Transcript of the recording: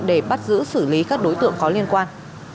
để bắt giữ xử lý các đối tượng có liên quan